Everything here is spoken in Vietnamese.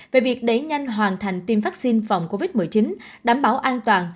về việc đẩy nhanh hoàn thành tiêm vaccine phòng covid một mươi chín đảm bảo an toàn